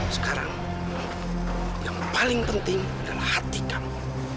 sekarang yang paling penting adalah hati kami